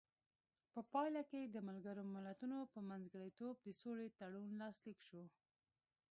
په پایله کې د ملګرو ملتونو په منځګړیتوب د سولې تړون لاسلیک شو.